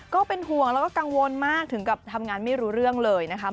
ก็เป็นห่วงแล้วก็กังวลมากถึงกับทำงานไม่รู้เรื่องเลยนะคะ